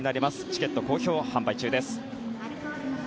チケット好評販売中です。